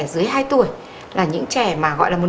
dưới hai tuổi là những trẻ mà gọi là